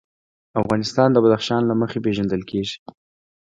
افغانستان د بدخشان له مخې پېژندل کېږي.